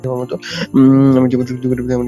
আমি যেমন চুক্তি করি, তেমনই।